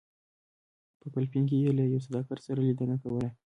په فلپین کې یې له یو سوداګر سره لیدنه کوله.